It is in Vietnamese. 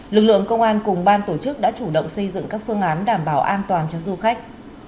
lực lượng công an cùng ban tổ chức đã chủ động xây dựng các phương án đảm bảo an toàn cho du khách